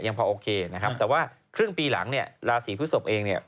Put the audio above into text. พอโอเคนะครับแต่ว่าครึ่งปีหลังเนี่ยราศีพฤศพเองเนี่ย